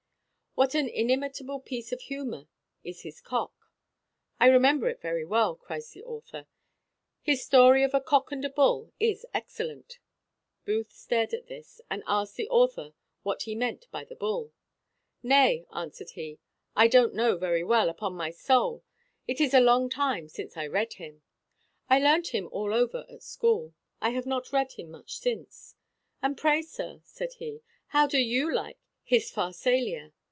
What an inimitable piece of humour is his Cock!" "I remember it very well," cries the author; "his story of a Cock and a Bull is excellent." Booth stared at this, and asked the author what he meant by the Bull? "Nay," answered he, "I don't know very well, upon my soul. It is a long time since I read him. I learnt him all over at school; I have not read him much since. And pray, sir," said he, "how do you like his Pharsalia?